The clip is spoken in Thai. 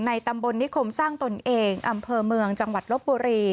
ตำบลนิคมสร้างตนเองอำเภอเมืองจังหวัดลบบุรี